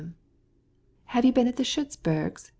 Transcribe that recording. "Why, have you been at the Schützburgs?"